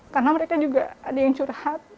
karena mereka juga ada yang curhat